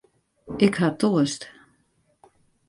Ik ha toarst.